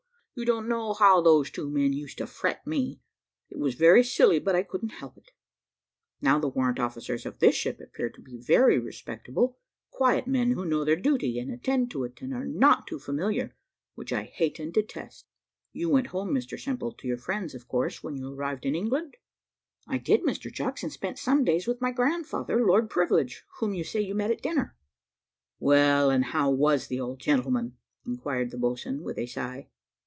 You don't know how those two men used to fret me; it was very silly, but I couldn't help it. Now the warrant officers of this ship appear to be very respectable, quiet men who know their duty, and attend to it, and are not too familiar, which I hate and detest. You went home, Mr Simple, to your friends, of course, when you arrived in England?" "I did, Mr Chucks, and spent some days with my grandfather, Lord Privilege, whom you say you met at dinner." "Well, and how was the old gentleman?" inquired the boatswain with a sigh.